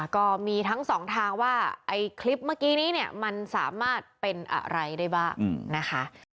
ก็มีทั้งสองทางว่าไอ้คลิปเมื่อกี้นี้เนี่ยมันสามารถเป็นอะไรได้บ้างนะคะ